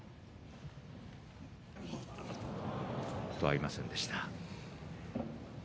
合いませんでした。